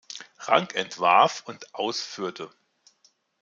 Rank entwarf und ausführte.